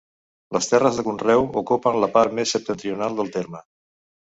Les terres de conreu ocupen la part més septentrional del terme.